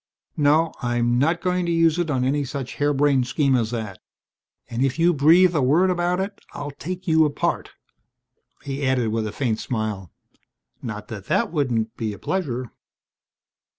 No. I'm not going to use it on any such harebrained scheme as that. And if you breathe a word about it I'll take you apart." He added with a faint smile, "Not that that wouldn't be a pleasure."